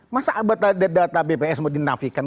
masa data bps mau dinafikan